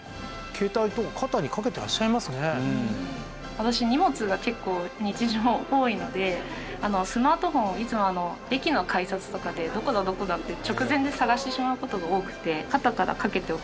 私荷物が結構日常多いのでスマートフォンをいつも駅の改札とかでどこだどこだって直前で探してしまう事が多くて。